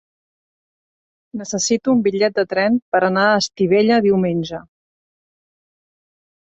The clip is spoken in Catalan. Necessito un bitllet de tren per anar a Estivella diumenge.